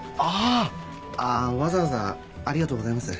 あぁわざわざありがとうございます。